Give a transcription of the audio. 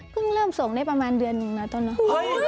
เพิ่งเริ่มส่งได้ประมาณเดือนหนึ่งเหนือต้นนะ